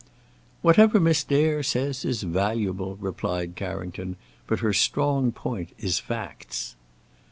"Whatever Miss Dare says is valuable," replied Carrington, "but her strong point is facts."